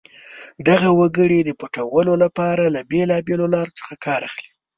دغه وګړي د پټولو لپاره له بېلابېلو لارو څخه کار اخلي.